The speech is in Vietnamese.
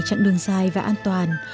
trạng đường dài và an toàn